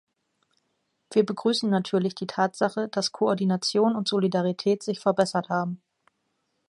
Wir begrüßen natürlich die Tatsache, dass Koordination und Solidarität sich verbessert haben.